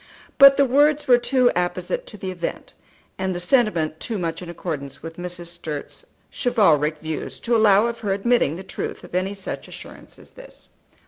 But the words were too apposite to the event, and the sentiment too much in accordance with Mrs. Sturt's chivalric views to allow of her admitting the truth of any such assurance as this.